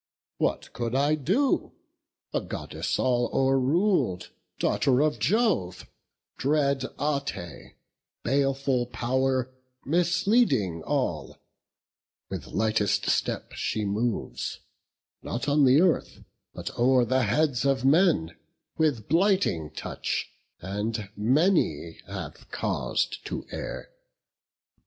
What could I do? a Goddess all o'er rul'd, Daughter of Jove, dread Ate, baleful pow'r, Misleading all; with lightest step she moves, Not on the earth, but o'er the heads of men, With blighting touch; and many hath caus'd to err.